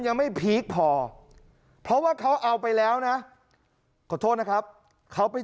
ยังไม่พีคพอเพราะว่าเขาเอาไปแล้วนะขอโทษนะครับเขาไป